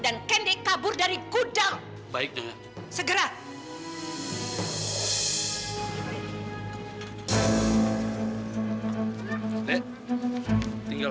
nek tinggal sama siapa sini kamu